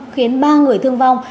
khiến ba người thương vong